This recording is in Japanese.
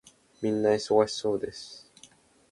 皆忙しそうです。